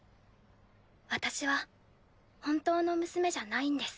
私は本当の娘じゃないんです。